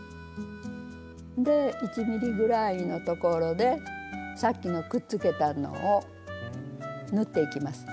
で１ｍｍぐらいのところでさっきのくっつけたのを縫っていきます。